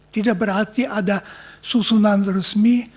tidak berarti ada susunan resmi